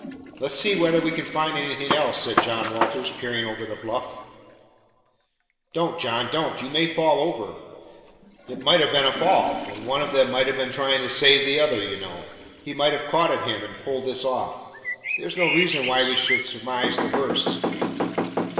"Let's see whether we can find anything else," said John Walters, peering over the bluff. "Don't, John, don't. You may fall over. It might have been a fall, and one of them might have been trying to save the other, you know. He might have caught at him and pulled this off. There's no reason why we should surmise the worst."